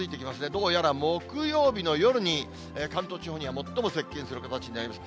どうやら木曜日の夜に、関東地方には最も接近する形になります。